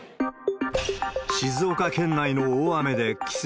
静岡県内の大雨で規制